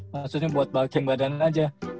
maksudnya buat bulking badan aja